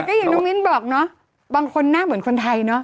แต่ก็อย่างนุ่มินบอกเนาะบางคนน่าเหมือนคนไทยเนาะ